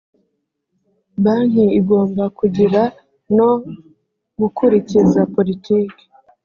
banki igomba kugira no gukurikiza politiki